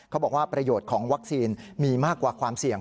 เขาบอกว่าประโยชน์ของวัคซีนมีมากกว่าความเสี่ยง